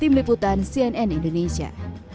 tim liputan cnn indonesia